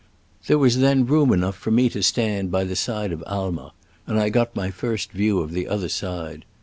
There was then room enough for me to stand by the side of Aimer, and I got my first view of the other side.